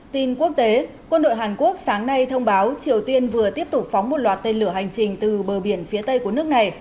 tin quốc tế quân đội hàn quốc sáng nay thông báo triều tiên vừa tiếp tục phóng một loạt tên lửa hành trình từ bờ biển phía tây của nước này